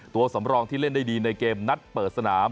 ตัวสำรองที่เล่นได้ดีในเกมนัดเปิดสนาม